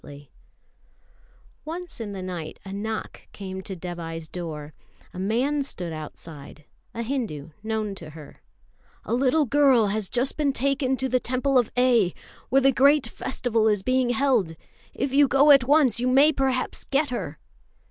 [Illustration: LATHA (FIREFLY) BLOWING BUBBLES.] Once in the night a knock came to Dévai's door. A man stood outside, a Hindu known to her. "A little girl has just been taken to the Temple of A., where the great festival is being held. If you go at once you may perhaps get her."